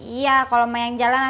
iya kalo mau jalan gue jalan aja deh